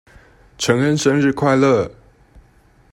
承恩生日快樂！